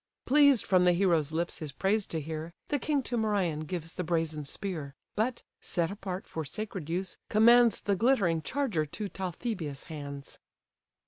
Pleased from the hero's lips his praise to hear, The king to Merion gives the brazen spear: But, set apart for sacred use, commands The glittering charger to Talthybius' hands.